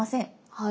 はい。